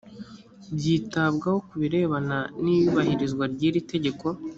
byitabwaho kubirebana n iyubahirizwa ry iritegeko